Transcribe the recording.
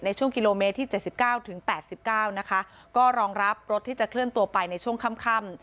ช่วงกิโลเมตรที่๗๙ถึง๘๙นะคะก็รองรับรถที่จะเคลื่อนตัวไปในช่วงค่ำ